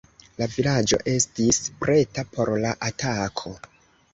La vilaĝo estis preta por la atako.